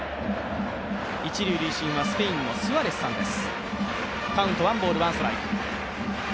一塁塁審はスペインのスワレスさんです。